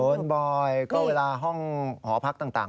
บ่อยก็เวลาห้องหอพักต่าง